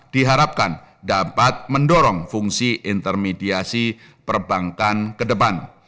diharapkan dapat mendorong fungsi intermediasi perbankan ke depan